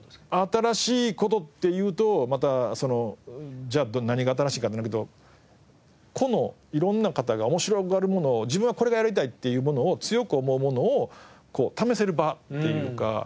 新しい事って言うとまたじゃあ何が新しいかってなるけど個のいろんな方が面白がるものを自分はこれがやりたいっていうものを強く思うものを試せる場っていうか。